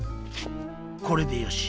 これでよし。